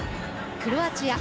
クロアチア。